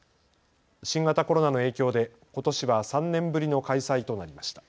新型コロナの影響で、ことしは３年ぶりの開催となりました。